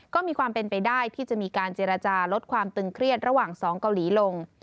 ก็มีความเป็นไปได้ที่จะมีการเจรจาลดความตึงเครียดระหว่างสองเกาหลีลง